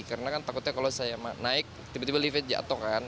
karena kan takutnya kalau saya naik tiba tiba liftnya jatuh kan